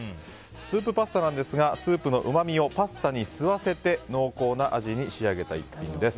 スープパスタなんですがスープのうまみをパスタに吸わせて濃厚な味に仕上げた一品です。